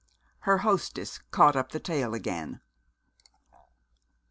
Her hostess caught up the tale again.